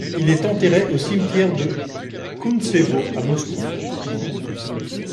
Il est enterré au cimetière de Kountsevo, à Moscou.